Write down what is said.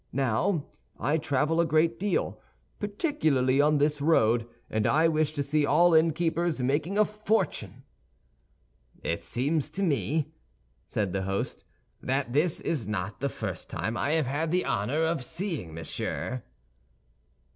Now, I travel a great deal, particularly on this road, and I wish to see all innkeepers making a fortune." "It seems to me," said the host, "that this is not the first time I have had the honor of seeing Monsieur."